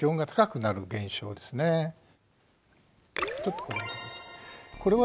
ちょっとこれを見てください。